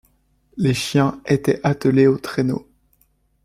Les chiens étaient attelés aux traîneaux.